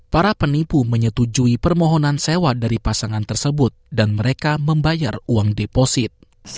para penipu menyetujui permohonan sewa dari pasangan tersebut dan mereka membayar uang deposit